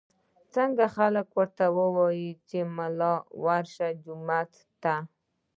خلک ورته وايي ملا ورشه جوماتونو ته